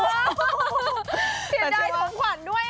เฮียดายสมขวัญด้วยอะ